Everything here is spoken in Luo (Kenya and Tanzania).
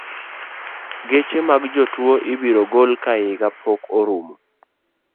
Geche mag jotuo ibiro gol ka higa pok orumo.